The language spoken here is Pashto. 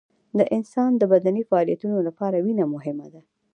د انسان د بدني فعالیتونو لپاره وینه مهمه ده